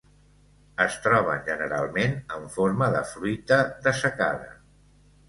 Es troben generalment en forma de fruita dessecada.